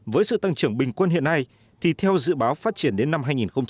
với sự tăng trưởng bình quân hiện nay thì theo dự báo phát triển đến năm hai nghìn ba mươi